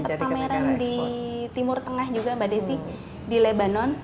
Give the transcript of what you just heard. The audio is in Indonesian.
ada pameran di timur tengah juga mbak desy di lebanon